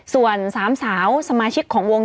ส่วนสามสาวสมาชิกของวง